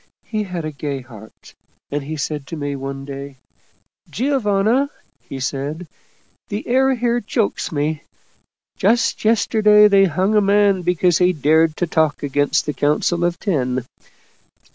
He had a gay heart, and he said to me one day, ' Giovanna,' he said, ' the air here chokes me. Just yesterday they hung a man because he dared to talk against the Council of Ten.